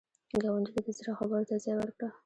ګاونډي ته د زړه خبرو ته ځای ورکړه